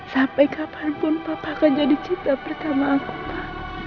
sampai kapanpun papa akan jadi cipta pertama aku pak